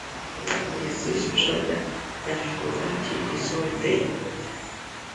Изусцәада Арвелоди Изольдеи?